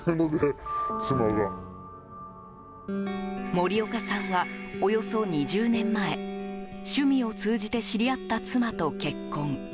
森岡さんは、およそ２０年前趣味を通じて知り合った妻と結婚。